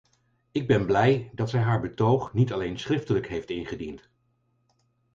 Ik ben blij dat zij haar betoog niet alleen schriftelijk heeft ingediend.